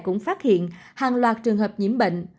cũng phát hiện hàng loạt trường hợp nhiễm bệnh